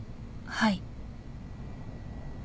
はい。